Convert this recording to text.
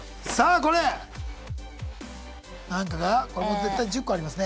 これも絶対１０個ありますね。